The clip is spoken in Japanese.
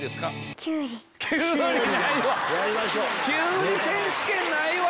きゅうり選手権ないわ。